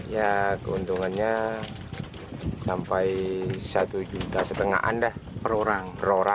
ya keuntungannya sampai satu lima jutaan dah per orang